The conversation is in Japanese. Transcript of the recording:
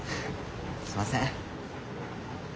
すいません。